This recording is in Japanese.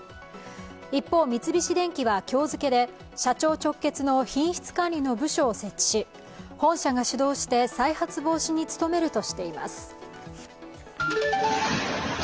一方、三菱電機は今日付で社長直結の品質管理の部署を設置し本社が主導して再発防止に努めるとしています。